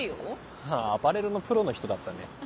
あぁアパレルのプロの人だったね。